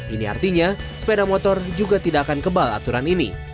ini artinya sepeda motor juga tidak akan kebal aturan ini